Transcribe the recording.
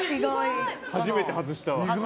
初めて外したわ。